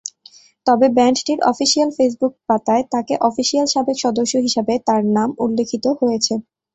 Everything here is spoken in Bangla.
তবে, ব্যান্ডটির অফিসিয়াল ফেসবুক পাতায়, তাকে অফিসিয়াল সাবেক সদস্য হিসাবে তার নাম উল্লেখিত হয়েছে।